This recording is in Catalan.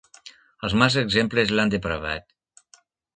Els mals exemples l'han depravat.